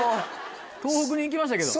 東北に行きましたけど。